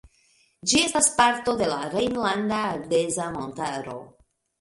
Ĝi estas parto de la Rejnlanda Ardeza Montaro.